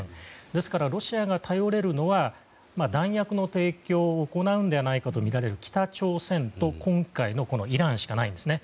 ですから、ロシアが頼れるのは弾薬の提供を行うのではとみられる北朝鮮と今回のイランしかないですね。